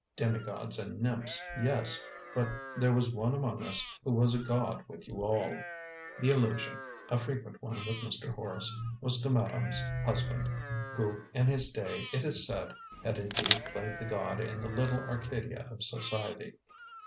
"Demigods and nymphs, yes; but there was one among us who was a god with you all." The allusion a frequent one with Mr. Horace was to madame's husband, who in his day, it is said, had indeed played the god in the little Arcadia of society.